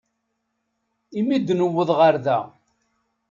Imi d-newweḍ ɣer da.